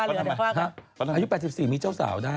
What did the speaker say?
แล้วฮะเดี๋ยวแต่เวลาแล่วกัน